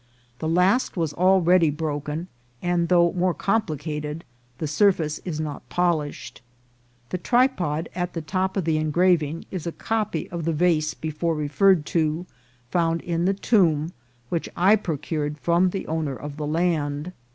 The last was already broken, and though more complicated, the surface is not polished. The tripod at the top of the engraving is a copy of the vase before referred to, found in the tomb, which I procured from the owner of the land.